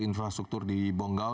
infrastruktur di bonggau